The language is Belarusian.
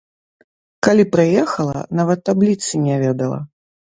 Калі прыехала, нават табліцы не ведала.